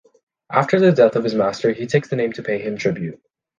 After the death of his master, he takes his name to pay him tribute.